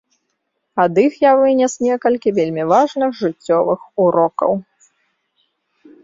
Ад іх я вынес некалькі вельмі важных жыццёвых урокаў.